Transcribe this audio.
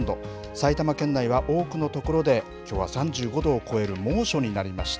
埼玉県内は多くの所で、きょうは３５度を超える猛暑になりました。